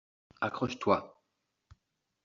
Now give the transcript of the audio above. Accroche-toi